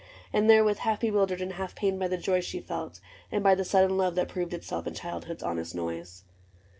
And therewith half bewildered and half pained By the joy she felt and by the sudden love That proved itself in childhood's honest noise.